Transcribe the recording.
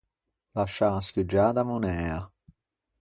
Lasciâ scuggiâ da monæa.